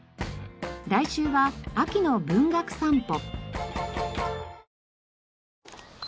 来週は秋の文学散歩。